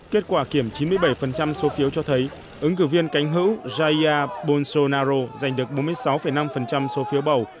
kết quả kiểm chín mươi bảy số phiếu cho thấy ứng cử viên cánh hữu jair bolsonaro giành được bốn mươi sáu năm số phiếu bầu